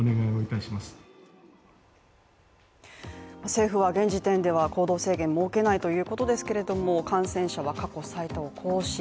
政府は現時点では行動制限を設けないということですけれども感染者は過去最多を更新。